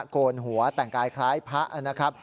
โกนหัวแต่งกายคล้ายพระ